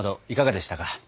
いかがでしたか。